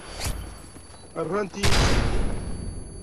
Rrant-iyi-tt-id.